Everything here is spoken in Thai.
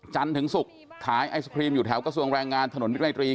ถึงศุกร์ขายไอศครีมอยู่แถวกระทรวงแรงงานถนนวิมัยตรี